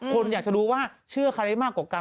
คนอยากจะรู้ว่าเชื่อใครได้มากกว่ากัน